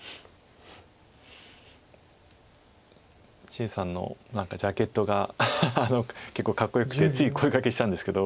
謝さんのジャケットが結構かっこよくてつい声がけしたんですけど。